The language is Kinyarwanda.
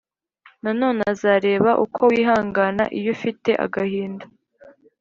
Nanone azareba uko wihangana iyo ufite agahinda